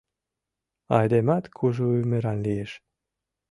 Айдемат кужу ӱмыран лиеш!